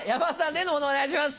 例のものをお願いします。